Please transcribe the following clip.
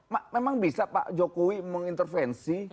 karena pak jokowi mengintervensi